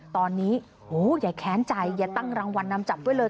ตอนนี้อย่าแค้นใจอย่าตั้งรางวัลนำจับไว้เลย